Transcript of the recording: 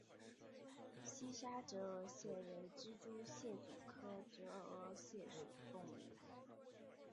西沙折额蟹为蜘蛛蟹总科折额蟹属的动物。